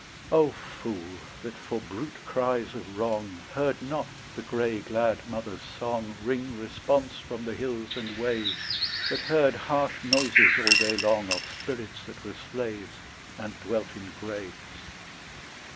O fool, that for brute cries of wrong Heard not the grey glad mother's song Ring response from the hills and waves, But heard harsh noises all day long Of spirits that were slaves And dwelt in graves.